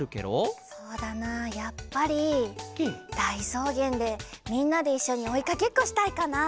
そうだなやっぱりだいそうげんでみんなでいっしょにおいかけっこしたいかな。